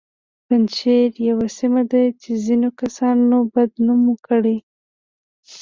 پنجشیر یوه سیمه ده چې ځینو کسانو بد نومه کړه